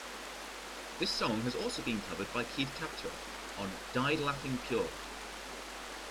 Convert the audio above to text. This song has also been covered by Keith Caputo on "Died Laughing Pure".